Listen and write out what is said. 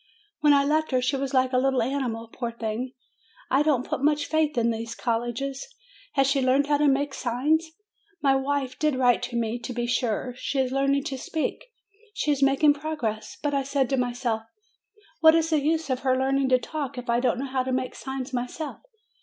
When I left her, she was like a little animal, poor thing! I don't put much faith in those colleges. Has she learned how to make signs? My wife did write to me, to be sure, 'She is learning to speak; she is making progress/ But I said to my self, What is the use of her learning to talk if I don't know how to make signs myself?